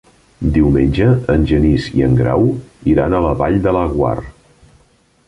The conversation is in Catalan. Diumenge en Genís i en Grau iran a la Vall de Laguar.